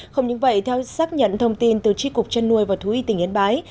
không những vậy theo xác nhận thông tin từ tri cục chăn nuôi và thú y tỉnh yên bái